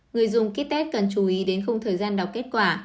người dùng kỹ test cần chú ý đến khung thời gian đọc kết quả